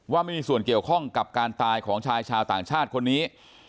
ว่าไม่มีส่วนเกี่ยวข้องกับการตายของชายชาวต่างชาติคนนี้